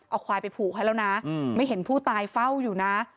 เอาควายไปผูกให้แล้วนะไม่เห็นผู้ตายเฝ้าอยู่นะ